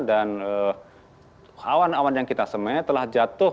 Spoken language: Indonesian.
dan awan awan yang kita semai telah jatuh